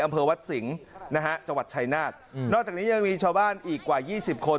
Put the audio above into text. อำเภอวัดสิงห์นะฮะจังหวัดชายนาฏนอกจากนี้ยังมีชาวบ้านอีกกว่ายี่สิบคน